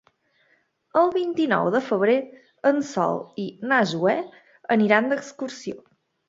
El vint-i-nou de febrer en Sol i na Zoè aniran d'excursió.